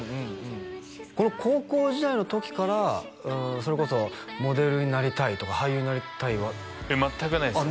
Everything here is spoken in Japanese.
この高校時代の時からそれこそモデルになりたいとか俳優になりたいは全くないですよ